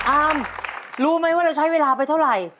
อามรู้ไหมว่าเราใช้เวลาไปเท่าไหร่